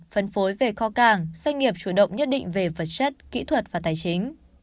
phân phối về kho cảng doanh nghiệp chủ động nhất định về vật chất kỹ thuật và tài chính